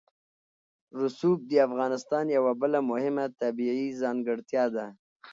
رسوب د افغانستان یوه بله مهمه طبیعي ځانګړتیا ده.